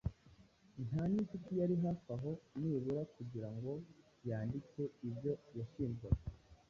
nta n’incuti yari hafi aho nibura kugira ngo yandike ibyo yashinjwaga